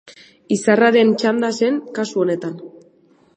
Izarraren txanda zen kasu honetan.